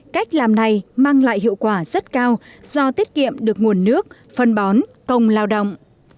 cách làm này mang lại hiệu quả rất cao do tiết kiệm được nguồn nước phân bón công lao động